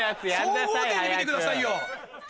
総合点で見てくださいよ。